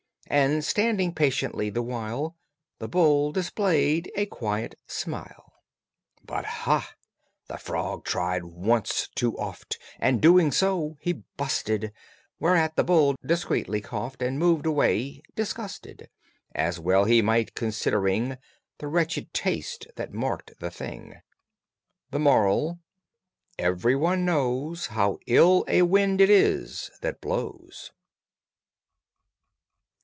And, standing patiently the while, The bull displayed a quiet smile. [Illustration: "HE STROVE TO GROW ROTUNDER"] But ah, the frog tried once too oft And, doing so, he busted; Whereat the bull discreetly coughed And moved away, disgusted, As well he might, considering The wretched taste that marked the thing. THE MORAL: Everybody knows How ill a wind it is that blows.